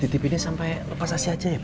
titip ini sampai lepas asih aja ya beb